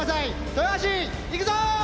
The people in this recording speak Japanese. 豊橋いくぞ！